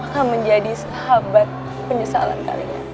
akan menjadi sahabat penyesalan kalian